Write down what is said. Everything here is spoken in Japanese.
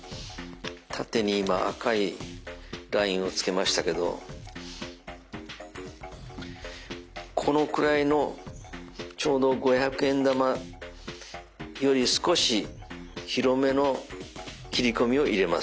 縦に今赤いラインを付けましたけどこのくらいのちょうど五百円玉より少し広めの切込みを入れます。